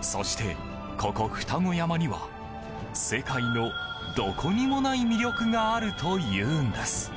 そして、ここ二子山には世界のどこにもない魅力があるというんです。